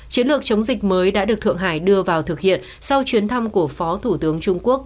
chiến lược chống dịch mới đã được thượng hải đưa vào thực hiện sau chuyến thăm của phó thủ tướng trung quốc